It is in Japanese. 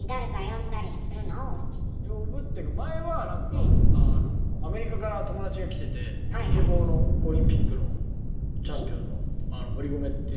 呼ぶっていうか前は何かあのアメリカから友達が来ててスケボーのオリンピックのチャンピオンのあの堀米って。